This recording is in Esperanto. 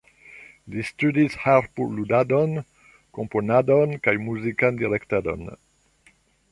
Li studis harpo-ludadon, komponadon kaj muzikan direktadon.